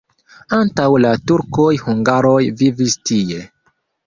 Antaŭ la turkoj hungaroj vivis tie.